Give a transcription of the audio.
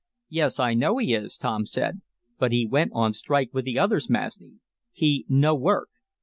"Yes, I know he is," Tom said. "But he went on a strike with the others, Masni. He no work.